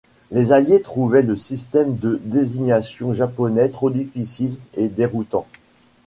Les Alliés trouvaient le système de désignation japonais trop difficile et déroutant.